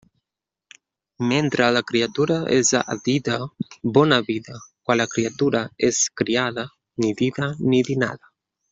Mentre la criatura és a dida, bona vida; quan la criatura és criada, ni dida ni dinada.